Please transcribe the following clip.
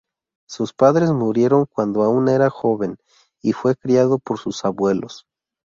Sus padres murieron cuando aún era joven, y fue criado por sus abuelos.